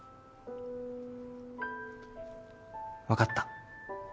わかった。